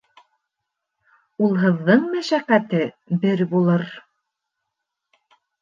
Улһыҙҙың мәшәҡәте бер булыр